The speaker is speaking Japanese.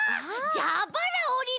じゃばらおりね！